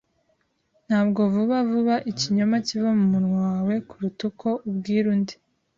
Ntabwo vuba vuba ikinyoma kiva mumunwa wawe kuruta uko ubwira undi.